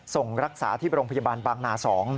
ส่งรักษาที่โรงพยาบาลบางนา๒